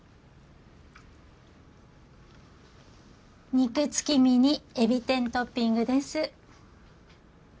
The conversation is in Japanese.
肉月見にえび天トッピングです。